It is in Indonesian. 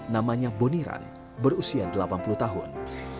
namanya boniran berusia delapan puluh tahun